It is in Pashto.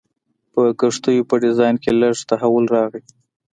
په کښتیو په ډیزاین کې لږ تحول راغی.